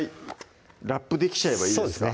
ラップできちゃえばいいですか？